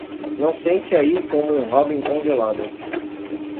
Não sente aí como um robin congelado.